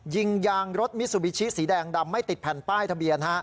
ยิงยางรถมิซูบิชิสีแดงดำไม่ติดแผ่นป้ายทะเบียน